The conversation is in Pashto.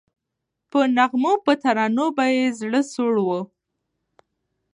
په نغمو په ترانو به یې زړه سوړ وو